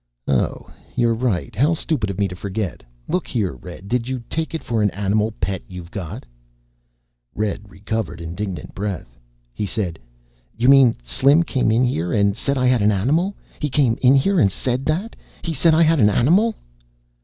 "Oh, you're right. How stupid of me to forget. Look here, Red, did you take it for an animal pet you've got?" Red recovered indignant breath. He said, "You mean Slim came in here and said I had an animal? He came in here and said that? He said I had an animal?"